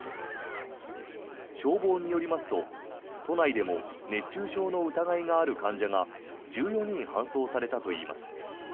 消防によりますと、都内でも熱中症の疑いがある患者が１４人搬送されたといいます。